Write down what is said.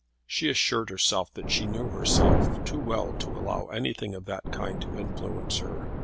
She assured herself that she knew herself too well to allow anything of that kind to influence her.